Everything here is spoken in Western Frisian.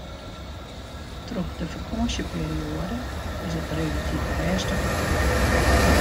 Troch de fakânsjeperioade is it relatyf rêstich op 'e dyk.